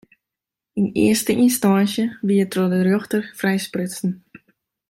Yn earste ynstânsje wie er troch de rjochter frijsprutsen.